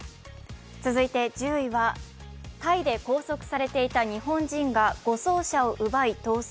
続いて１０位はタイで拘束されていた日本人が護送車を奪い、逃走。